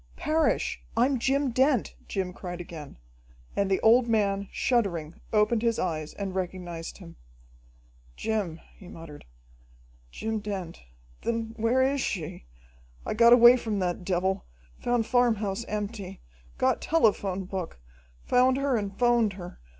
"Parrish, I'm Jim Dent!" Jim cried again, and the old man, shuddering, opened his eyes and recognized him. "Jim!" he muttered. "Jim Dent! Then where is she? I got away from that devil, found farmhouse empty, got telephone book, found her and 'phoned her.